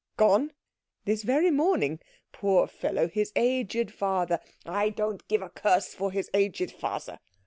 "Gone?" "This very morning. Poor fellow, his aged father " "I don't care a curse for his aged father.